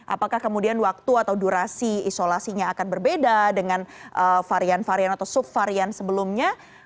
apakah kemudian waktu atau durasi isolasinya akan berbeda dengan varian varian atau subvarian sebelumnya